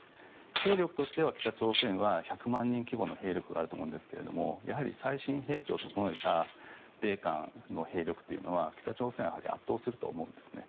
兵力としては北朝鮮は１００万人規模の兵力があると思うんですがやはり最新兵器を整えた米韓の兵力というのは北朝鮮を圧倒すると思うんですね。